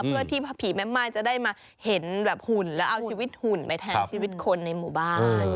เพื่อที่ผีแม่ม่ายจะได้มาเห็นแบบหุ่นแล้วเอาชีวิตหุ่นไปแทนชีวิตคนในหมู่บ้าน